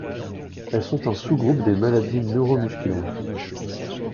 Elles sont un sous-groupe des maladies neuromusculaires.